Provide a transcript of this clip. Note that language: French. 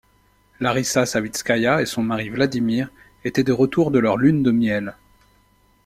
Larisa Savitskaya et son mari Vladimir étaient de retour de leur lune de miel.